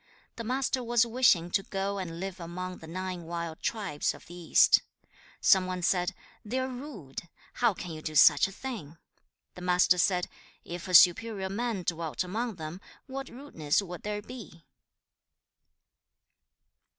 The Master was wishing to go and live among the nine wild tribes of the east. 2. Some one said, 'They are rude. How can you do such a thing?' The Master said, 'If a superior man dwelt among them, what rudeness would there be?'